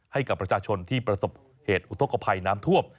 ให้กับประชาชนที่ประสบเหตุอุทธกภัยน้ำท่วม